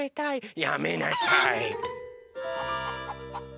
やめなさい！